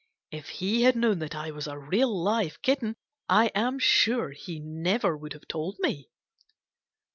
If he had known that I was a real, live kitten, I am sure he never would have told me.